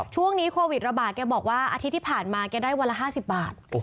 ช่วงนี้โควิดระบาดแกบอกว่าอาทิตย์ที่ผ่านมาแกได้วันละ๕๐บาท